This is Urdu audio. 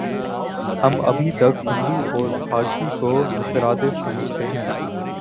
ہم ابھی تک 'ہندو‘ اور 'بھارتی‘ کو مترادف سمجھتے ہیں۔